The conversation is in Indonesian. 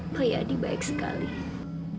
pak yadi baik sekali